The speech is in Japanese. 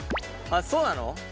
あっそうなの？